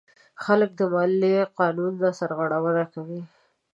خلک د مالیې قانون نه سرغړونه کوي.